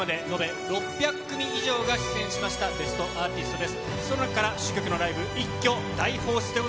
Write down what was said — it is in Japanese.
これまで延べ６００組以上が出演しました『ベストアーティスト』です。